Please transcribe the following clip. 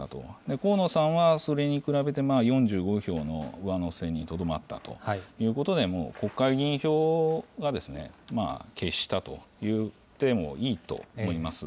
河野さんはそれに比べて、４５票の上乗せにとどまったということで、国会議員票が決したといってもいいと思います。